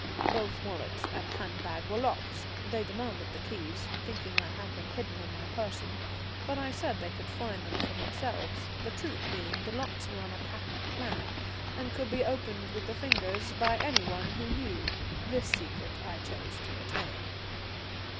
Both wallet and handbag were locked; they demanded the keys, thinking I had them hidden on my person, but I said they could find them for themselves, the truth being the locks were on a patent plan and could be opened with the fingers by any one who knew. This secret I chose to retain.